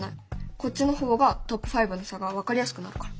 こっちの方がトップ５の差が分かりやすくなるから。